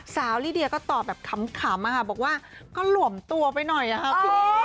สาวลีเดียก็ตอบแบบข้ำอะฮะบอกว่าก็หลวมตัวไปหน่อยนะครับ